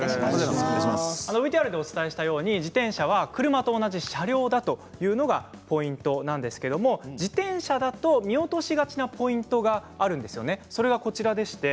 ＶＴＲでお伝えしたように自転車は車と同じ車両だというのがポイントなんですけど自転車だと見落としてしまいがちなポイントがあるんですよね。